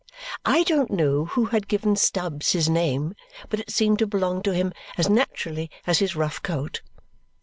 I don't know who had given Stubbs his name, but it seemed to belong to him as naturally as his rough coat.